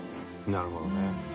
なるほどね。